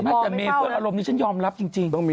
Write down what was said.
ไม่แต่มีเพื่อนอารมณ์นี้ฉันยอมรับจริง